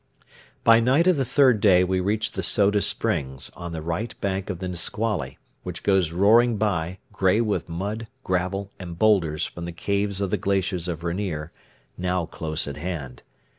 By night of the third day we reached the Soda Springs on the right bank of the Nisqually, which goes roaring by, gray with mud, gravel, and boulders from the caves of the glaciers of Rainier, now close at hand.